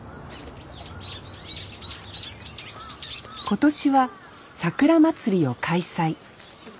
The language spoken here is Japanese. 今年はさくらまつりを開催。